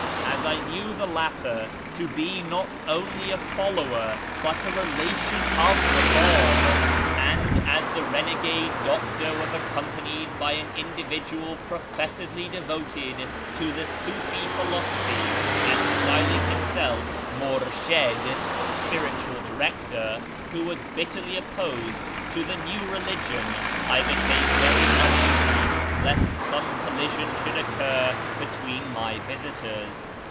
As I knew the latter to be not only a follower but a relation of the Bab, and as the rene 270 A YEAR AMONGST THE TERS/ANS gade doctor was accompanied by an individual professedly devoted to tlie Sufi philosophy and styling luniself " ^fur.sh^d " (spiritual director), who was bitterly opposed to tlie new religion, I became very uneasy lest some collision shoidd occur between my visitors.